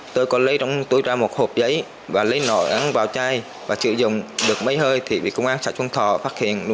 tôi có lấy trong túi ra một hộp giấy và lấy nồi ăn vào chai và chịu dùng được mấy hơi thì công an xã trung thọ phát hiện